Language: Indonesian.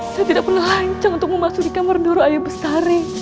saya tidak pernah lancang untuk memasuki kamar doro ayu bestari